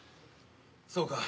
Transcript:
そうか。